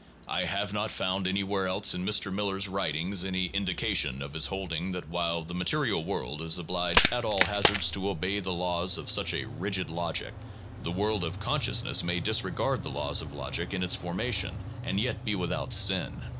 I have not found anywhere else in Mr. Miller's writings any indication of his holding that while the material world is obliged at all hazards to obey the laws of such a rigid logic, the world of consciousness may disregard the laws of logic in its formation and yet be without sin.